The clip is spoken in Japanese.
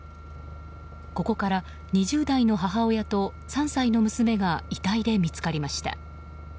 ここから２０代の母親と３歳の娘が遺体で見つかりました。